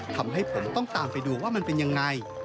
ทำให้ผมต้องตามไปดูว่ามันเป็นยังไง